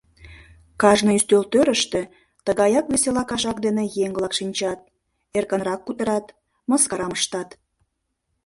Кажне ӱстелтӧрыштӧ тыгаяк весела кашак дене еҥ-влак шинчат, эркынрак кутырат, мыскарам ыштат.